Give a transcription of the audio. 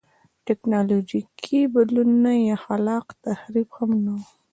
ټکنالوژیکي بدلونونه یا خلاق تخریب هم نه و.